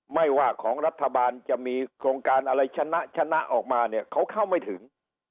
ไม่ว่าของรัฐบาลจะมีโครงการอะไรชนะชนะออกมาเนี่ยเขาเข้าไม่ถึง